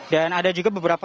dan ada juga beberapa